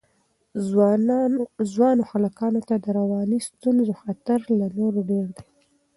ځوانو هلکانو ته د رواني ستونزو خطر تر نورو ډېر دی.